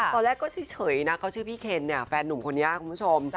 ตอนแรกก็เฉยนะเขาชื่อพี่เคนเนี่ยแฟนหนุ่มคนนี้คุณผู้ชม